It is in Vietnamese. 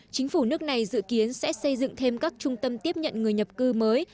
chính phủ nước này dự kiến sẽ xây dựng thêm các trung tâm tiếp nhận người nhập cư mới